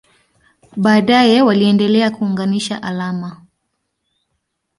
Baadaye waliendelea kuunganisha alama.